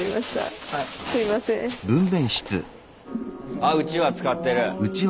あうちわ使ってる。